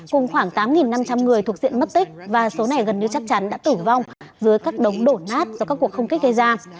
cùng khoảng tám năm trăm linh người thuộc diện mất tích và số này gần như chắc chắn đã tử vong dưới các đống đổ nát do các cuộc không kích gây ra